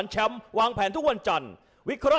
ดาบดำเล่นงานบนเวลาตัวด้วยหันขวา